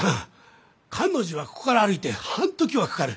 感応寺はここから歩いて半刻はかかる。